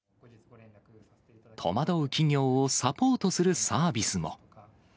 戸惑う企業をサポートするサービスも。